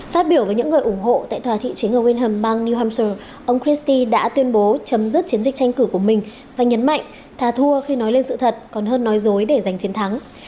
phát biểu với những người ủng hộ tại thòa thị chính ở wilhelmsburg new hampshire ông christie đã tuyên bố chấm dứt chiến dịch tranh cử của mình và nhấn mạnh thà thua khi nói lên sự thật còn hơn nói dối để giành chiến thắng